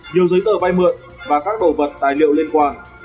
nhiều giấy tờ vay mượn và các đồ vật tài liệu liên quan